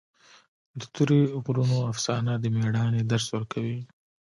د تورې غرونو افسانه د مېړانې درس ورکوي.